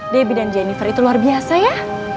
debbie dan jennifer itu luar biasa ya